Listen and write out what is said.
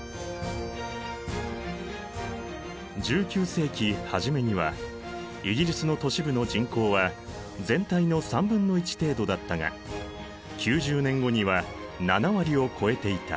１９世紀初めにはイギリスの都市部の人口は全体の1/3程度だったが９０年後には７割を超えていた。